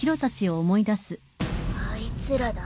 あいつらだ。